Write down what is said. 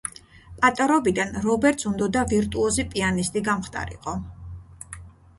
პატარობიდან რობერტს უნდოდა ვირტუოზი პიანისტი გამხდარიყო.